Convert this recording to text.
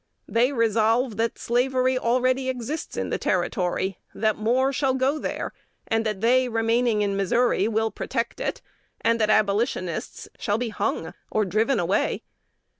They resolve that slavery already exists in the Territory; that more shall go there; and that they, remaining in Missouri, will protect it, and that Abolitionists shall be hung or driven away.